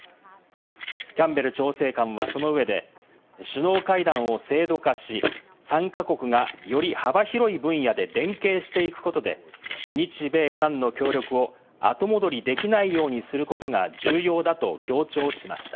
キャンベル調整官は、その上で首脳会談を制度化し、３か国がより幅広い分野で連携していくことで、日米韓の協力を後戻りできないようにすることが重要だと強調しました。